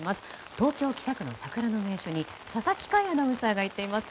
東京・北区の桜の名所に佐々木快アナウンサーがいます。